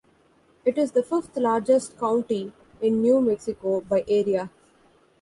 It is the fifth-largest county in New Mexico by area.